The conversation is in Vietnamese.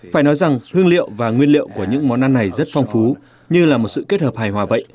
phải nói rằng hương liệu và nguyên liệu của những món ăn này rất phong phú như là một sự kết hợp hài hòa vậy